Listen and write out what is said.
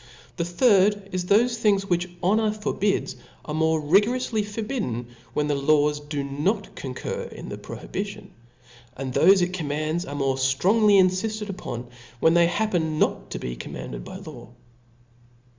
The third is, that thofe things which honor for bids, are more rigoroufly forbidden, when the laws do not concur in the prohibition ; and thofe it com* mands, are more ftrongly in fitted upon, when they happen not to be commanded by law.